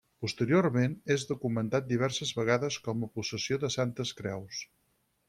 Posteriorment, és documentat diverses vegades com a possessió de Santes Creus.